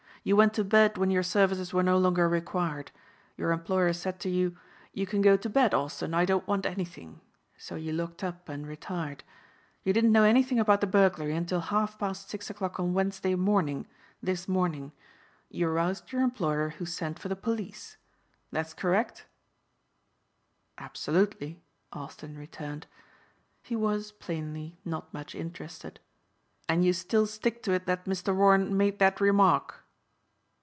"You went to bed when your services were no longer required. Your employer said to you, 'You can go to bed, Austin, I don't want anything,' so you locked up and retired. You didn't know anything about the burglary until half past six o'clock on Wednesday morning this morning You aroused your employer who sent for the police. That's correct?" "Absolutely," Austin returned. He was, plainly, not much interested. "And you still stick to it that Mr. Warren made that remark?"